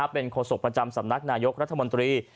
เป็นโฆษกประจำสำนักนายกรัฐมนตรี